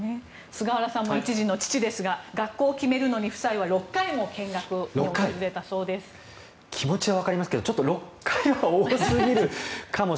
菅原さんも１児の父ですが学校を決めるのに夫妻は６回も見学に気持ちは分かりますがちょっと、６回は多すぎるかも。